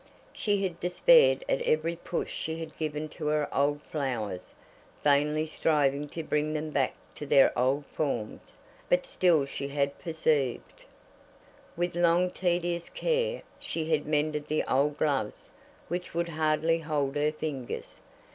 She had despaired at every push she had given to her old flowers, vainly striving to bring them back to their old forms; but still she had persevered. With long tedious care she had mended the old gloves which would hardly hold her fingers.